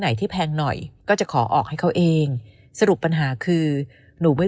ที่แพงหน่อยก็จะขอออกให้เขาเองสรุปปัญหาคือหนูไม่